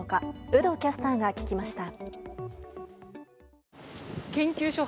有働キャスターが聞きました。